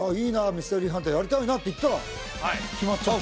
「ミステリーハンターやりたいな」って言ったら決まっちゃった